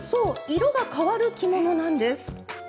色が変わる着物なんです。